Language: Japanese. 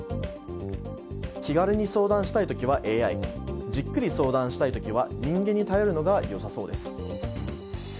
気軽に相談したい時はＡＩじっくり相談したい時は人間に頼るのが良さそうです。